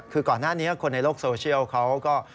คือก่อนหน้านี้คนในโลกโซเชียลเขาก็